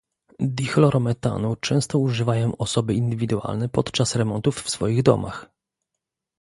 Dichlorometanu często używają osoby indywidualne podczas remontów w swoich domach